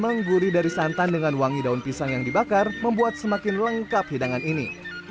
lemang gurih dari santan dengan wangi daun pisang yang dibakar membuat semakin lengkap hidangan ini